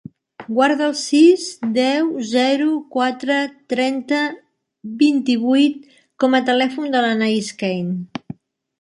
Guarda el sis, deu, zero, quatre, trenta, vint-i-vuit com a telèfon de l'Anaïs Kane.